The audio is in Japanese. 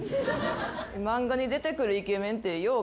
漫画に出てくるイケメンってよう